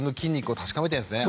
確かめになってるんですかね